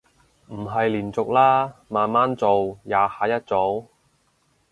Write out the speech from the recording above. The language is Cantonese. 唔係連續啦，慢慢做，廿下一組